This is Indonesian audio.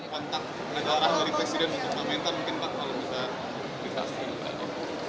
pemintaan kontak dari presiden untuk pak mentang mungkin pak pak lama bisa ditastikan